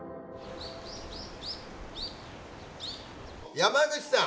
山口さん。